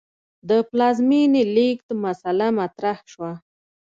د پلازمې لېږد مسئله مطرح شوه.